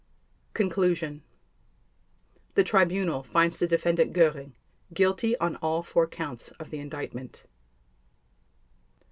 Conclusion The Tribunal finds the Defendant Göring guilty on all four Counts of the Indictment.